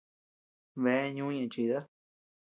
Bea ñú ñeʼe chida.